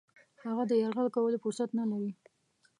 هغه د یرغل کولو فرصت نه لري.